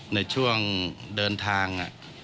ในช่วงเดินทาง